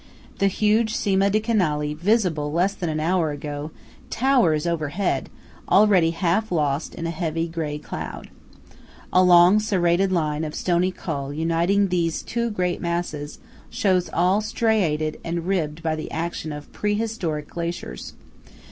The huge Cima di Canali, visible less than an hour ago, towers overhead, already half lost in a heavy grey cloud. A long serrated line of stony Col uniting these two great masses, shows all striated and ribbed by the action of pre historic glaciers.